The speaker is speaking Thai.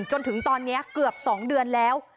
จนถึงตอนนี้เกือบ๒เดือนแล้ว